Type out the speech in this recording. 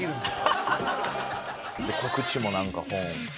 告知もなんか本。